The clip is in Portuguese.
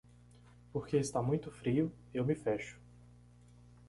Porque está muito frio, eu me fecho.